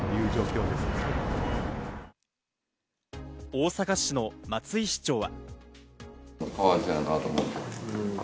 大阪市の松井市長は。